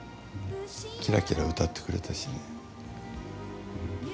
キラキラ歌ってくれたしね。